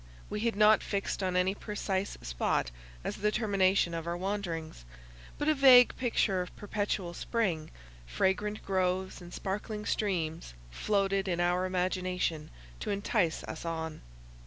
We had not fixed on any precise spot as the termination of our wanderings; but a vague picture of perpetual spring, fragrant groves, and sparkling streams, floated in our imagination to entice us on.